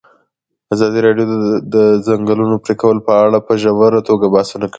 ازادي راډیو د د ځنګلونو پرېکول په اړه په ژوره توګه بحثونه کړي.